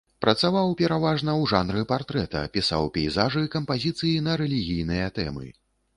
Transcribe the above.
Працаваў пераважна ў жанры партрэта, пісаў пейзажы, кампазіцыі на рэлігійныя тэмы.